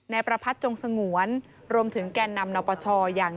นายประพัทย์จงสงวนรวมถึงแก่นนำนับประชออย่าง